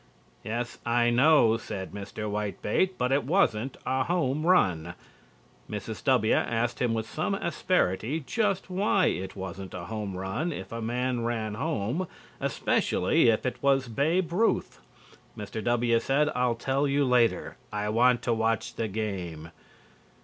"Yes, I know," said Mr. Whitebait, "but it wasn't a home run." Mrs. W. asked him with some asperity just why it wasn't a home run, if a man ran home, especially if it was Babe Ruth. Mr. W. said: "I'll tell you later. I want to watch the game."